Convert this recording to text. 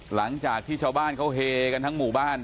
หลังจากที่ชาวบ้านเขาเฮกันทั้งหมู่บ้าน